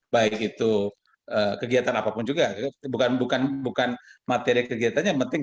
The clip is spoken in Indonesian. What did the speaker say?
baik itu kegiatan apapun juga bukan materi kegiatan yang penting